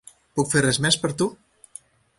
Puc fer res més per tu?